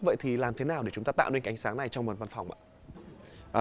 vậy thì làm thế nào để chúng ta tạo nên cái ánh sáng này trong văn phòng ạ